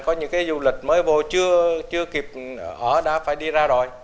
có những cái du lịch mới bồ chưa kịp họ đã phải đi ra rồi